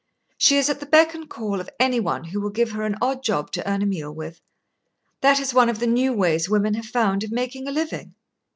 She is at the beck and call of any one who will give her an odd job to earn a meal with. That is one of the new ways women have found of making a living."